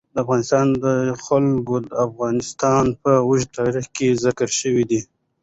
د افغانستان جلکو د افغانستان په اوږده تاریخ کې ذکر شوی دی.